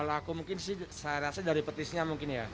kalau aku mungkin sih saya rasa dari petisnya mungkin ya